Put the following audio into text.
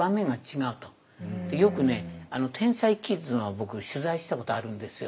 よくね天才キッズの僕取材したことあるんですよ。